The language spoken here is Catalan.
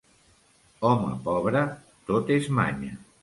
Home pobre, tot és manya.